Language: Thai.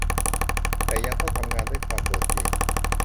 แต่ยังต้องทำงานด้วยความโดดเดี่ยว